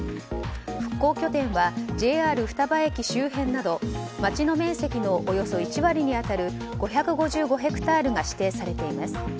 復興拠点はＪＲ双葉駅周辺など町の面積のおよそ１割に当たる５５５ヘクタールに指定されています。